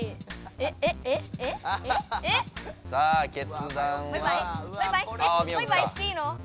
えバイバイしていいの？